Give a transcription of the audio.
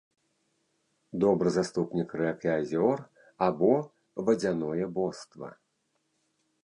Добры заступнік рэк і азёр або вадзяное боства.